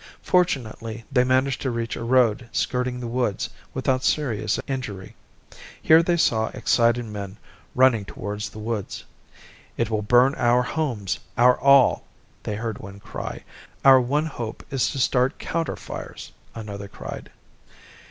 Fortunately, they managed to reach a road skirting the woods without serious injury. Here they saw excited men running towards the woods. "It will burn our homes, our all," they heard one cry. "Our one hope is to start counter fires," another cried.